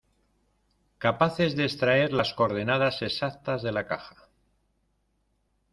capaces de extraer las coordenadas exactas de la caja.